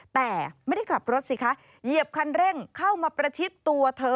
แต่ไม่ได้ขับรถสิคะเหยียบคันเร่งเข้ามาประชิดตัวเธอ